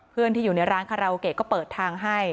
เพื่อนที่อยู่ในร้านคาราโอเกะก็เปิดทางให้